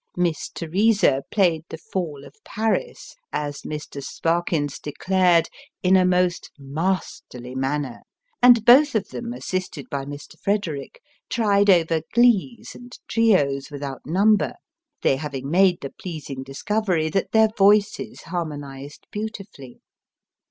Miss Teresa played the " Fall of Paris," as Mr. Sparkins declared, in a most masterly manner, and both of them, assisted by Mr. Frederick, tried over glees and trios without number; they having made the pleasing discovery that their voices harmonised beautifully.